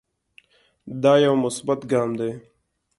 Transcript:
دا يو مثبت ګام دے